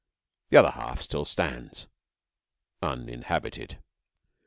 The other half still stands uninhabited.